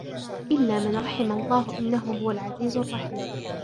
إلا من رحم الله إنه هو العزيز الرحيم